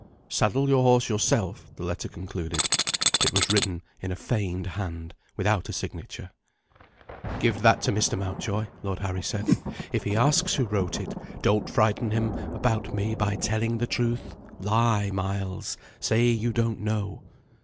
"Saddle your horse yourself," the letter concluded. It was written in a feigned hand, without a signature. "Give that to Mr. Mountjoy," Lord Harry said. "If he asks who wrote it, don't frighten him about me by telling the truth. Lie, Miles! Say you don't know."